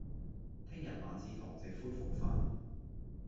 聽日晚市堂食恢復返